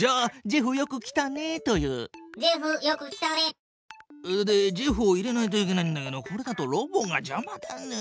ジェフよく来たね。でジェフを入れないといけないんだけどこれだとロボがじゃまだな。